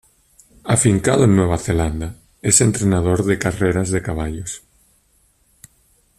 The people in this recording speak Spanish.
Afincado en Nueva Zelanda, es entrenador de carreras de caballos.